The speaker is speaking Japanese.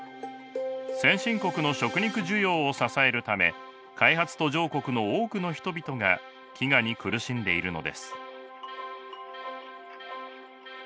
先進国の食肉需要を支えるため開発途上国の多くの人々が飢餓に苦しんでいるのです。